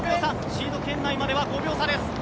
シード圏内までは５秒差です。